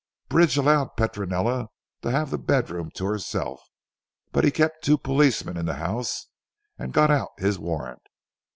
Bridge allowed Petronella to have the bedroom to herself, but he kept the two policemen in the house and got out his warrant.